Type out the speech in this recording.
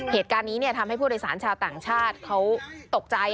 เหตุการณ์นี้ทำให้ผู้โดยสารชาวต่างชาติเขาตกใจ